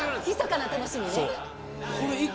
ひそかな楽しみね。